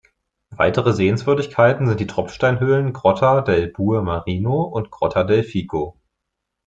Weitere Sehenswürdigkeiten sind die Tropfsteinhöhlen "Grotta del Bue Marino" und "Grotta del Fico".